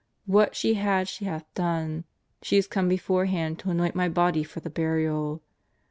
What she had she hath done; she is come beforehand to anoint My body for the burial.